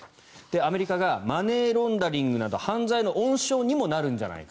アメリカがマネーロンダリングなど犯罪の温床にもなるんじゃないか。